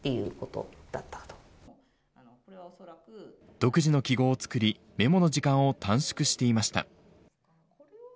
独自の記号を作り、メモの時間を短縮していました。